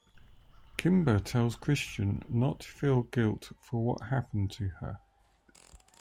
Kimber tells Christian not to feel guilt for what happened to her.